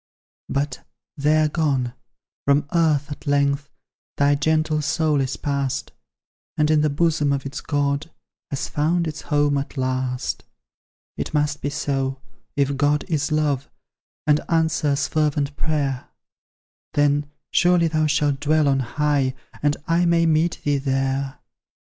But they are gone; from earth at length Thy gentle soul is pass'd, And in the bosom of its God Has found its home at last. It must be so, if God is love, And answers fervent prayer; Then surely thou shalt dwell on high, And I may meet thee there.